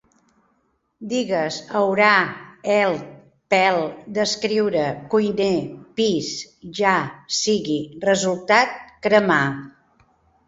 Digues: haurà, held, pèl, descriure, cuiner, pis, ja sigui, resultat, cremar